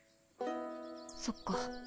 そっか。